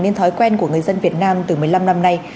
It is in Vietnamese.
nên thói quen của người dân việt nam từ một mươi năm năm nay